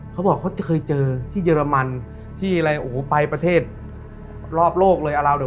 เขาบอกว่าเคยเจอที่เยอรมันที่ไปประเทศรอบโลกเลย